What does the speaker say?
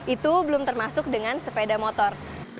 itu belum termasuk dengan sepeda motor